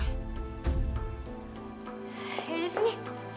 ya udah sini